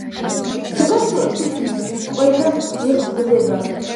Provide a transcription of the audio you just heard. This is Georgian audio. საქართველოში თითქმის ყველგან გვხვდება.